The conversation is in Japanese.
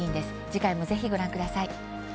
次回もぜひ、ご覧ください。